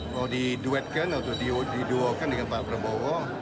kalau diduetkan atau diduokan dengan pak prabowo